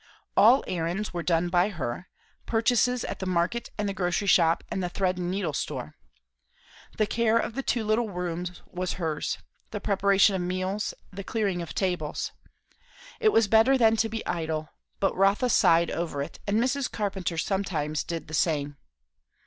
All errands were done by her; purchases at the market and the grocery shop and the thread and needle store. The care of the two little rooms was hers; the preparation of meals, the clearing of tables. It was better than to be idle, but Rotha sighed over it and Mrs. Carpenter sometimes did the same.